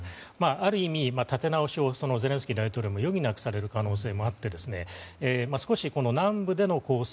ある意味、立て直しをゼレンスキー大統領も余儀なくされる可能性もあって少し、南部での攻勢